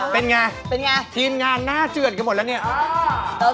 เป็นอย่างไรครับทีมงานน่าเจือนใครหมดแล้วนี่